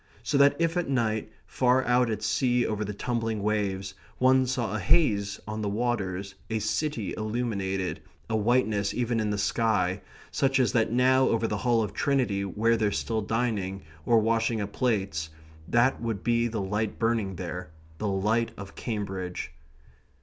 So that if at night, far out at sea over the tumbling waves, one saw a haze on the waters, a city illuminated, a whiteness even in the sky, such as that now over the Hall of Trinity where they're still dining, or washing up plates, that would be the light burning there the light of Cambridge.